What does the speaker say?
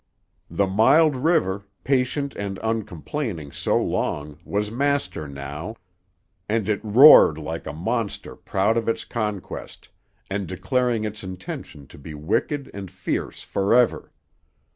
The mild river, patient and uncomplaining so long, was master now, and it roared like a monster proud of its conquest, and declaring its intention to be wicked and fierce forever.